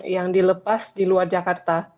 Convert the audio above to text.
yang dilepas di luar jakarta